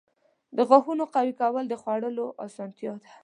• د غاښونو قوي کول د خوړلو اسانتیا ده.